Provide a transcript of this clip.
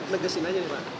negesin aja nih pak